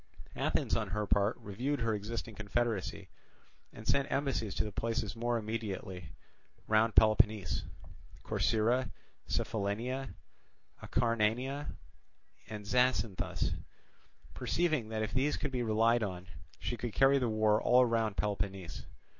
Athens on her part reviewed her existing confederacy, and sent embassies to the places more immediately round Peloponnese—Corcyra, Cephallenia, Acarnania, and Zacynthus—perceiving that if these could be relied on she could carry the war all round Peloponnese.